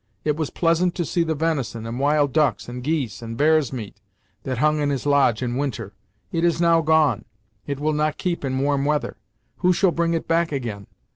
It was pleasant to see the venison, and wild ducks, and geese, and bear's meat, that hung in his lodge in winter. It is now gone; it will not keep in warm weather. Who shall bring it back again?